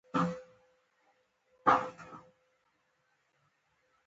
احمدشاه بابا به د ظلم پر وړاندې ودرید.